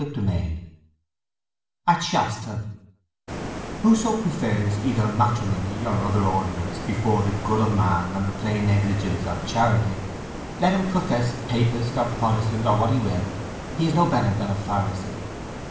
Part Fourth AT SHASTON _"Whoso prefers either Matrimony or other Ordinance before the Good of Man and the plain Exigence of Charity, let him profess Papist, or Protestant, or what he will, he is no better than a Pharisee."